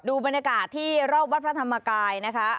บรรยากาศที่รอบวัดพระธรรมกายนะคะ